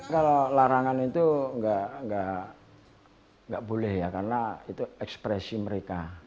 kalau larangan itu nggak boleh ya karena itu ekspresi mereka